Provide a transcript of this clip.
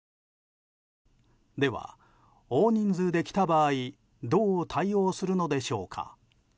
では、大人数で来た場合どう対応するのでしょうか。